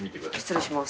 失礼します。